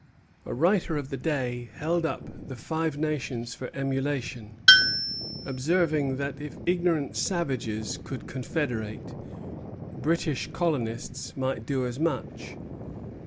A writer of the day held up the Five Nations for emulation, observing that if ignorant savages could confederate, British colonists might do as much.